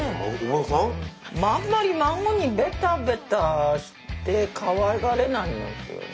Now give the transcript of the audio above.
あんまり孫にベタベタしてかわいがれないんですよね。